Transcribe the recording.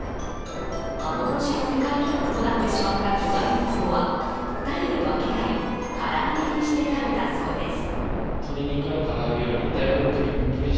幻の世界記録となってしまった巨大うつぼは２人で分け合い、唐揚げにして食べたそうです。